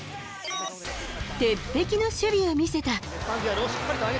鉄壁の守備を見せた。